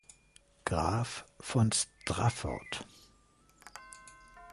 Graf von Strafford.